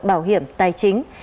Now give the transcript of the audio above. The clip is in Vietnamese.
bảo hiểm tài chính